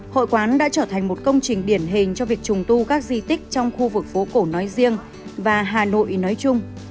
hội quán đã trở thành một công trình điển hình cho việc trùng tu các di tích trong khu vực phố cổ nói riêng và hà nội nói chung